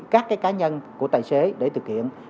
các cái cá nhân của tài xế để thực hiện